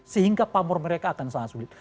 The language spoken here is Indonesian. sehingga pamor mereka akan sangat sulit